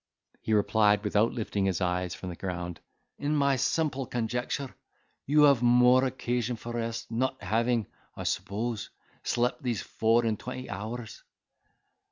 He replied, without lifting his eyes from the ground, "In my simple conjecture, you have more occasion for rest, not having (I suppose) slept these four and twenty hours."